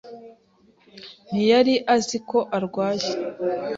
Ntiyari azi ko arwaye.